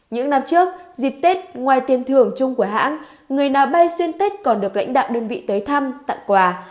những năm trước dịp tết ngoài tiền thưởng chung của hãng người nào bay xuyên tết còn được lãnh đạo đơn vị tới thăm tặng quà